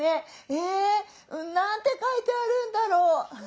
え何て書いてあるんだろう？」。